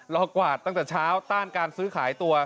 กวาดตั้งแต่เช้าต้านการซื้อขายตัว